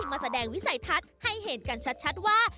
มาแสดงวิสัยทัศน์ให้เห็นกันชัดว่า